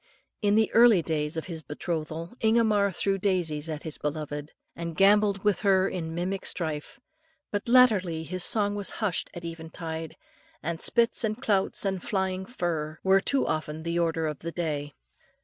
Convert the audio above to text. In the early days of his betrothal, Ingomar threw daisies at his beloved, and gambolled with her in mimic strife, but latterly his song was hushed at eventide, and spits and clouts and flying fluff were too often the order of the day.